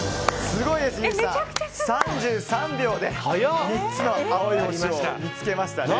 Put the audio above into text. すごいです、３３秒で３つの青い星を見つけましたね。